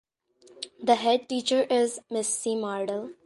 The headteacher is Miss C Mardell.